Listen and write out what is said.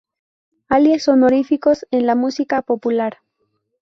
Alias honoríficos en la música popular.